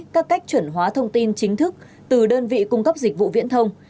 các cách chuẩn hóa thông tin chính thức từ đơn vị cung cấp dịch vụ viễn thông